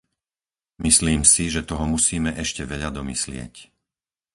Myslím si, že toho musíme ešte veľa domyslieť.